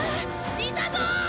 いたぞー！